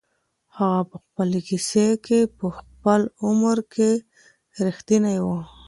هغه په خپل کیسې کي په خپل عمر کي رښتونی و.